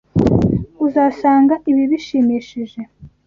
Uzasanga ibi bishimishije.